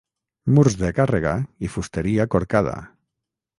Murs de càrrega i fusteria corcada.